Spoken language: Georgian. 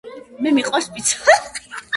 მე მიყვარს პიცა